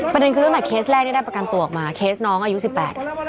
ประเด็นคือตั้งแต่เคสแรกที่ได้ประกันตัวออกมาเคสน้องอายุสิบแปด